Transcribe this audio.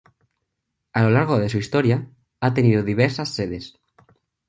A lo largo de su historia, ha tenido diversas sedes.